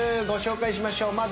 ご紹介しましょう。